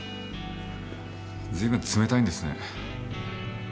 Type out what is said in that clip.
随分冷たいんですね。